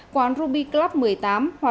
quán ruby club một mươi tám hoạt động khi khóa